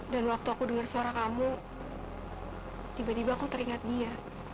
waktu aku dengar suara kamu tiba tiba aku teringat dia